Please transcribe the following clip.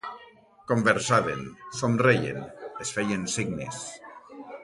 Conversaven, somreien, es feien signes…